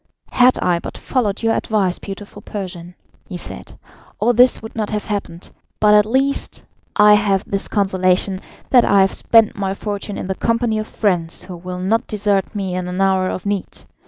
"Had I but followed your advice, beautiful Persian," he said, "all this would not have happened, but at least I have this consolation, that I have spent my fortune in the company of friends who will not desert me in an hour of need.